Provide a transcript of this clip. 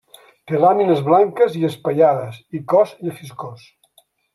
Té làmines blanques i espaiades i cos llefiscós.